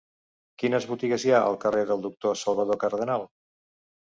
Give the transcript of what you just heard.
Quines botigues hi ha al carrer del Doctor Salvador Cardenal?